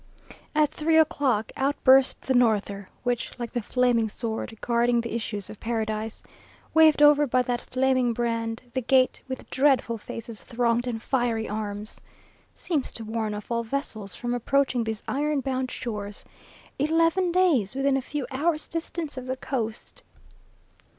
At three o'clock, out burst the norther, which, like the flaming sword, guarding the issues of paradise, "Waved over by that flaming brand, the gate With dreadful faces throng'd and fiery arms," seems to warn off all vessels from approaching these iron bound shores. Eleven days within a few hours' distance of the coast!